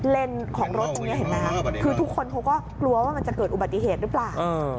ของรถตรงนี้เห็นไหมคือทุกคนเขาก็กลัวว่ามันจะเกิดอุบัติเหตุหรือเปล่า